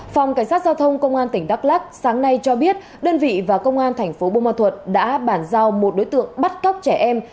phòng cảnh sát giao thông công an tỉnh đắk lắc sáng nay cho biết đơn vị và công an thành phố bùa ma thuật đã bàn giao một đối tượng bắt cóc trẻ em